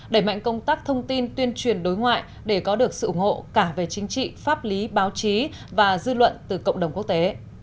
đẩy mạnh công tác thông tin tuyên truyền đối ngoại để có được sự ủng hộ cả về chính trị pháp lý báo chí và dư luận từ cộng đồng quốc tế